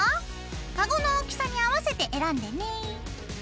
カゴの大きさに合わせて選んでね。